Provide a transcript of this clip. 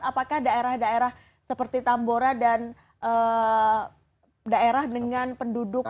apakah daerah daerah seperti tambora dan daerah dengan penduduk